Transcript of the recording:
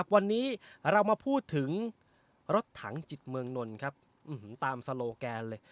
วันนี้เรามาพูดถึงรถถังจิตเมืองนนท์ตามโซโลแกนเลย